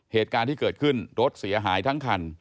เหตุการณ์ที่เกิดขึ้นรถเสียหายทั้งคัน